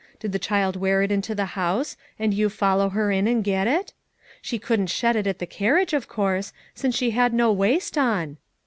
Did the child wear it into the house and you follow her in and get it? She couldn't shed it at the carriage, of course, since she had no waist on."